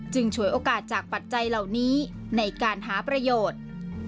ฉวยโอกาสจากปัจจัยเหล่านี้ในการหาประโยชน์